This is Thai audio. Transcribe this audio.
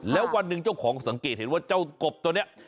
แล้ววันหนึ่งเจ้าของสังเกตเห็นว่าเจ้ากบตัวนี้